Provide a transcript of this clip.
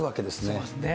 そうですね。